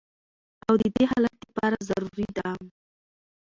او د دې حالت د پاره ضروري ده